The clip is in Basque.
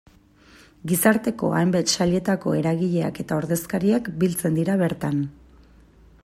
Gizarteko hainbat sailetako eragileak eta ordezkariak biltzen dira bertan.